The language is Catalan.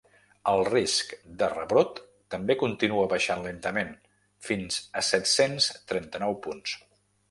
El risc de rebrot també continua baixant lentament, fins a set-cents trenta-nou punts.